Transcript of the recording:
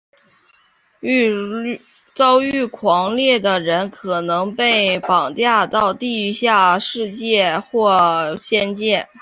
遭遇狂猎的人也可能被绑架到地下世界或者仙境。